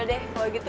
yaudah deh kalau gitu